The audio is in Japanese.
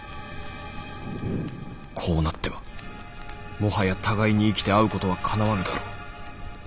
こうなってはもはや互いに生きて会うことはかなわぬだろう。